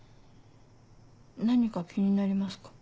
何か気になりますか？